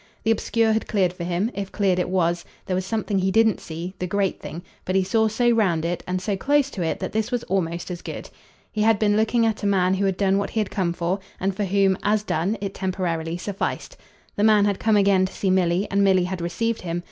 The obscure had cleared for him if cleared it was; there was something he didn't see, the great thing; but he saw so round it and so close to it that this was almost as good. He had been looking at a man who had done what he had come for, and for whom, as done, it temporarily sufficed. The man had come again to see Milly, and Milly had received him.